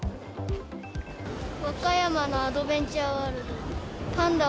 和歌山のアドベンチャーワールド。